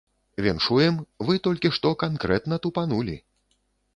Віншуем, вы толькі што канкрэтна тупанулі.